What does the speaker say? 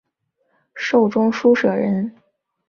授中书舍人。